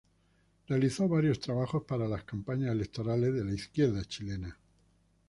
Realizó varios trabajos para las campañas electorales de la izquierda chilena.